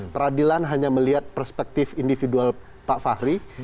peradilan hanya melihat perspektif individual pak fahri